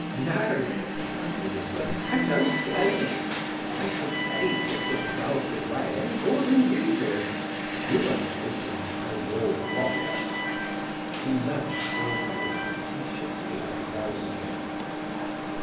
"No," sniggered he, I don't blame 'em. Why should they give themselves away any more than you do? You won't open while you're watched." He nudged Allport facetiously with his elbow.